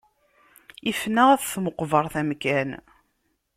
Ifen-aɣ at tmeqbeṛt amkan.